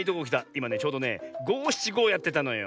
いまねちょうどねごしちごをやってたのよ。